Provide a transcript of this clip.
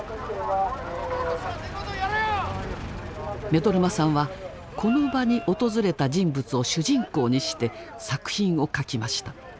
目取真さんはこの場に訪れた人物を主人公にして作品を書きました。